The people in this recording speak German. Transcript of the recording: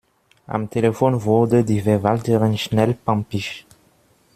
Am Telefon wurde die Verwalterin schnell pampig.